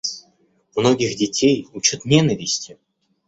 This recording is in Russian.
Многих детей учат ненависти.